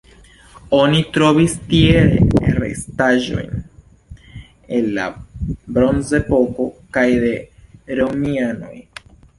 Oni trovis tie restaĵojn el la bronzepoko kaj de romianoj.